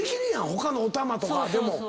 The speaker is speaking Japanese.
他のおたまとかでも。